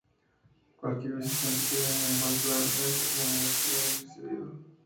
Cualquier visitante que venga en buen plan a esta comunidad será bien recibido.